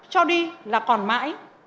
cho đi là còn mãi